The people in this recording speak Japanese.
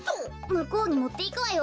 むこうにもっていくわよ。